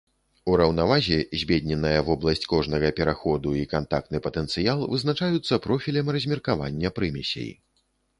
У раўнавазе збедненая вобласць кожнага пераходу і кантактны патэнцыял вызначаюцца профілем размеркавання прымесей.